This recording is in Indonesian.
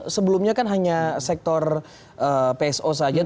sebelumnya kan hanya sektor pso saja